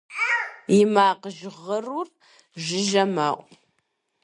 И макъ жьгъырур жыжьэ мэӀу.